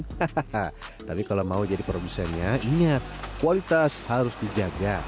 hahaha tapi kalau mau jadi produsennya ingat kualitas harus dijaga